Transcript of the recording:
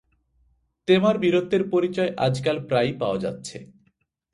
তেমার বীরত্বের পরিচয় আজকাল প্রায়ই পাওয়া যাচ্ছে।